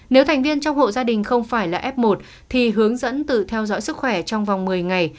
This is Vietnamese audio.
nếu thành viên trong hộ gia đình không phải là f một thì hướng dẫn tự theo dõi sức khỏe trong vòng một mươi ngày